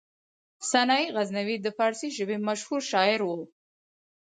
سنايي غزنوي د فارسي ژبې مشهور شاعر و.